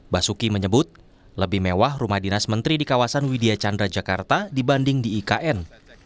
basuki menyebut lebih mewah rumah dinas menteri di kawasan widya chandra jakarta dibanding di ikn